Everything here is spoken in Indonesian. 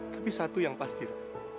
tapi satu yang pasti ra